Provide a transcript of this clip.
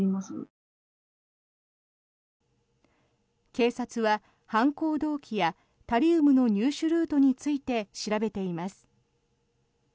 警察は、犯行動機やタリウムの入手ルートについて調べています。